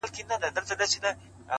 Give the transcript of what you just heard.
واه واه. خُم د شرابو ته راپرېوتم. بیا.